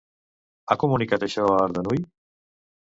Ha comunicat això a Ardanuy?